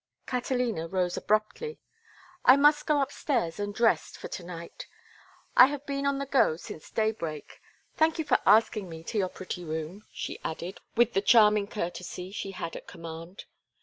Catalina rose abruptly. "I must go upstairs and rest for to night. I have been on the go since daybreak. Thank you for asking me to your pretty room," she added, with the charming courtesy she had at command.